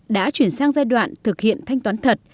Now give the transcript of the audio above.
đã chuyển sang giai đoạn thực hiện thanh toán thật